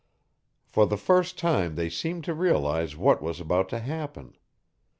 For the first time they seemed to realize what was about to happen.